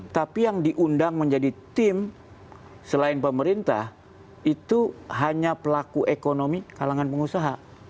tapi yang diundang menjadi tim selain pemerintah itu hanya pelaku ekonomi kalangan pengusaha